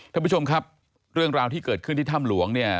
ท่านผู้ชมครับเรื่องราวที่เกิดขึ้นที่ถ้ำหลวงเนี่ย